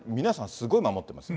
すごい守ってます。